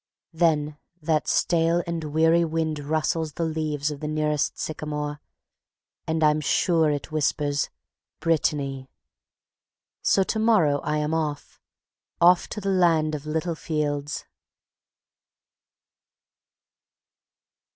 Then that stale and weary wind rustles the leaves of the nearest sycamore, and I am sure it whispers: "Brittany." So to morrow I am off, off to the Land of Little Fields.